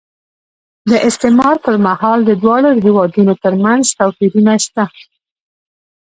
د استعمار پر مهال د دواړو هېوادونو ترمنځ توپیرونه شته.